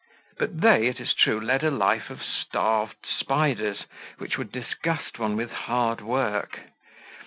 But they, it is true, led a life of starved spiders, which would disgust one with hard work.